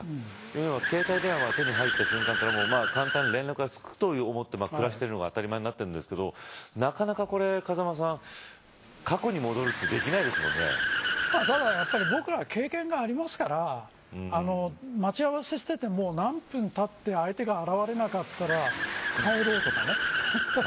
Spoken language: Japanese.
今は、携帯電話が手に入った瞬間から簡単に連絡つくと思って暮らしているのが当たり前になっているんですけどなかなか、過去に戻るってただ、やっぱり僕らは経験がありますから待ち合わせをしてても何分たって相手が現れなかったら帰ろうとかね。